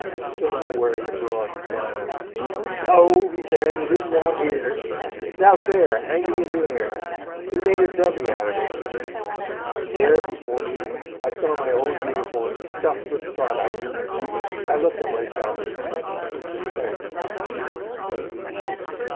He came out wearing a broad smile. "No," he said, "it isn't out here, it's out there hanging in the air. We made a dummy out of it." And there before me I saw my old uniform stuffed with sawdust. I looked at myself in suspense.